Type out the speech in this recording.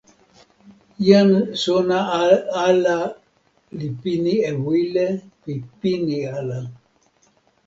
jan sona ala li pini e wile pi pini ala.